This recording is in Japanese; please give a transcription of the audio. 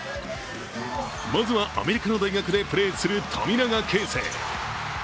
まずはアメリカの大学でプレーする富永啓生。